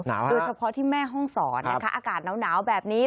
โดยเฉพาะที่แม่ห้องศรนะคะอากาศหนาวแบบนี้